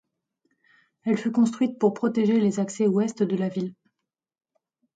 Elle fut construite pour protéger les accès Ouest de la ville.